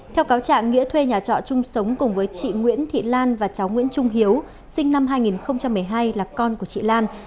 theo cáo trạng nghĩa thuê nhà trọ chung sống cùng với chị nguyễn thị lan và cháu nguyễn trung hiếu sinh năm hai nghìn một mươi hai là con của chị lan